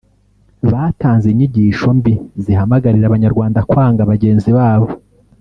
batanze inyigisho mbi zihamagarira abanyarwanda kwanga bagenzi babo